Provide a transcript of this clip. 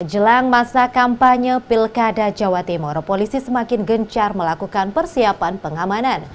jelang masa kampanye pilkada jawa timur polisi semakin gencar melakukan persiapan pengamanan